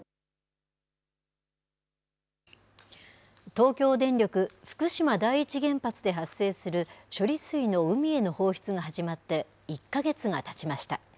東京電力福島第一原発で発生する処理水の海への放出が始まって１か月がたちました。